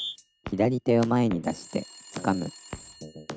「左手を前に出してつかむ」